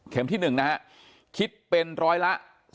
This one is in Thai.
เข็มที่๑คิดเป็นร้อยละ๐๗๗